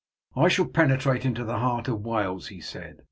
"I shall penetrate into the heart of Wales," he said.